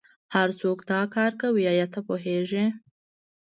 هرڅوک دا کار کوي ایا ته پوهیږې